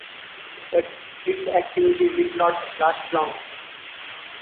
But its activity did not last long.